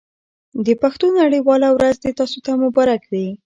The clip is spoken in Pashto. د پښتو نړۍ واله ورځ دې تاسو ته مبارک وي.